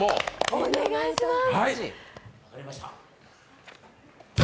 お願いします。